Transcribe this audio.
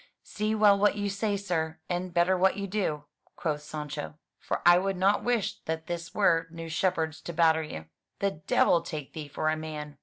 *' "See well what you say, sir, and better what you do," quoth Sancho; for I would not wish that this were new shepherds to batter you." "The devil take thee for a man!"